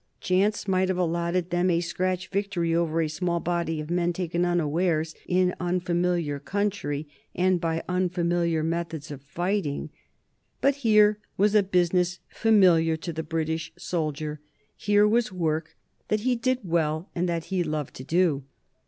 Chance might have allotted them a scratch victory over a small body of men taken unawares in unfamiliar country and by unfamiliar methods of fighting. But here was a business familiar to the British soldier; here was work that he did well and that he loved to do.